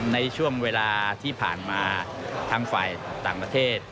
ในช่วงเวลาที่ผ่านมาทางฝ่ายต่างประเทศ